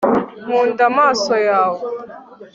nkunda amaso yawe